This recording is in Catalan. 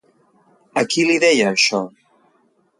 A qui li deia això?